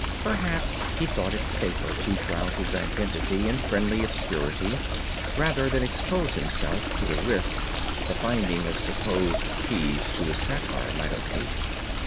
Perhaps he thought it safer to shroud his identity in friendly obscurity, rather than expose himself to the risks the finding of supposed keys to his satire might occasion.